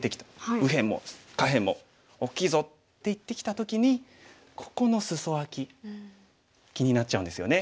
「右辺も下辺も大きいぞ」って言ってきた時にここのスソアキ気になっちゃうんですよね。